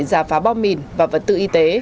giả phá bom mìn và vật tự y tế